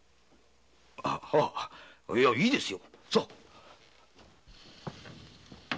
ああいいですよ。